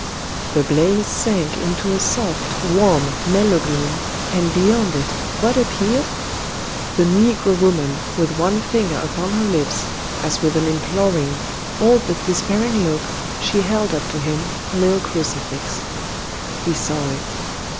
The blaze sank into a soft, warm, mellow gleam, and beyond it what appeared? The negro woman, with one finger upon her lips, as with an imploring, all but despairing look, she held up to him her little crucifix. He saw it.